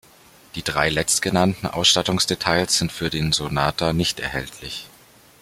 Die drei letztgenannten Ausstattungsdetails sind für den Sonata nicht erhältlich.